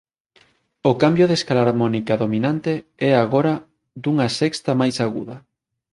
O cambio de escala harmónica dominante é agora dunha sexta máis aguda.